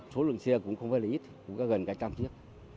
số lượng xe cũng không phải là ít cũng có gần cả trăm chiếc